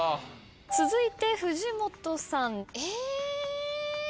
続いて藤本さん。え？